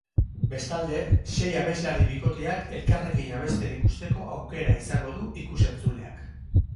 Bestalde, sei abeslari bikoteak elkarrekin abesten ikusteko aukera izango du ikusentzuleak.